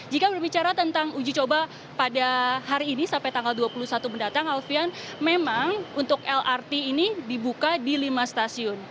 jika berbicara tentang uji coba pada hari ini sampai tanggal dua puluh satu mendatang alfian memang untuk lrt ini dibuka di lima stasiun